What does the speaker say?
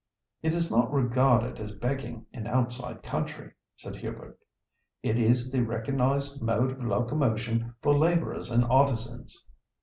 "It is not regarded as begging in outside country," said Hubert. "It is the recognised mode of locomotion for labourers and artisans."